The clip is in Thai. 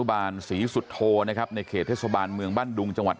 ผมฟังเหตุผลต่างของครูต๋อยแล้วนี่ผมชื่นชมจริงนะครับ